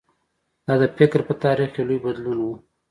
دا د فکر په تاریخ کې لوی بدلون و.